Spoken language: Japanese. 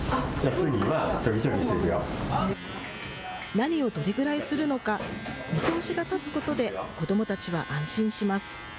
何をどれぐらいするのか、見通しが立つことで、子どもたちは安心します。